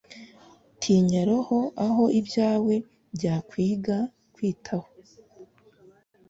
Tinya roho aho ibyawe byakwiga kwitaho